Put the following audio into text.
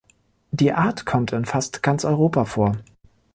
Die Art kommt in fast ganz Europa vor.